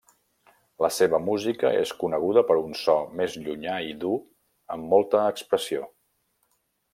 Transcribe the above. La seva música és coneguda per un so més llunyà i dur amb molta expressió.